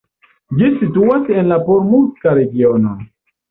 Ĝi situas en la Pomurska regiono.